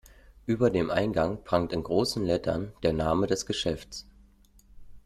Über dem Eingang prangt in großen Lettern der Name des Geschäfts.